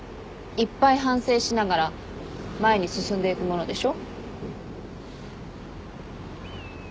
いっぱい反省しながら前に進んでいくものでしょ？